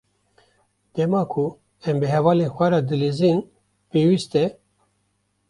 Dema ku em bi hevalên xwe re dilîzin, pêwîst e.